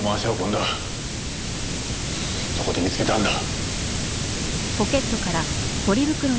そこで見つけたんだ。